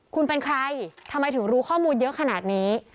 คุณเป็นใครทำไมถึงรู้ข้อมูลเยอะขนาดนี้